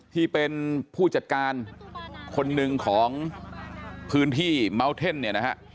ที่เป็นผู้จัดการคนหนึ่งของพื้นที่เมาเท่นเนี่ยนะฮะ